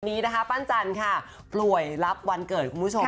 นี้นะคะปั้นจันทร์ค่ะป่วยรับวันเกิดคุณผู้ชม